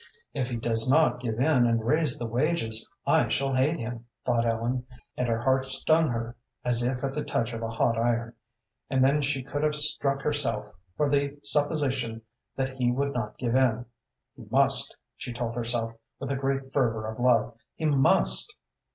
"If he does not give in and raise the wages, I shall hate him," thought Ellen; and her heart stung her as if at the touch of a hot iron, and then she could have struck herself for the supposition that he would not give in. "He must," she told herself, with a great fervor of love. "He must."